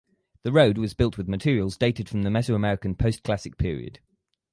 The road was built with materials dated from the Mesoamerican Postclassic Period.